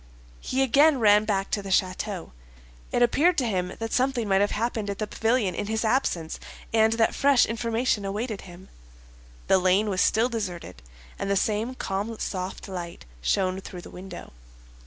He again ran back to the château. It appeared to him that something might have happened at the pavilion in his absence, and that fresh information awaited him. The lane was still deserted, and the same calm soft light shone through the window.